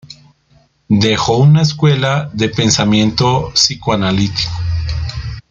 Dejó una escuela de pensamiento psicoanalítico.